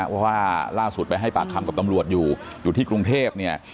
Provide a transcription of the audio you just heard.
เพราะว่าล่าสุดไปให้ปากคำกับตำรวจอยู่อยู่ที่กรุงเทพเนี่ย